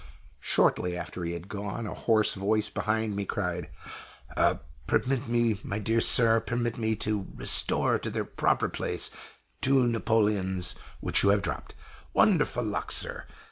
Shortly after he had gone, a hoarse voice behind me cried: "Permit me, my dear sir permit me to restore to their proper place two napoleons which you have dropped. Wonderful luck, sir!